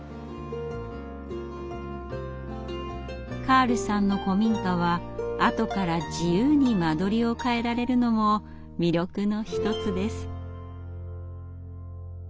カールさんの古民家は後から自由に間取りを変えられるのも魅力の一つです。